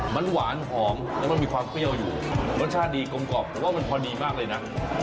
มันหวานหอมแล้วมันมีความเปรี้ยวอยู่รสชาติดีกลมกรอบแต่ว่ามันพอดีมากเลยนะ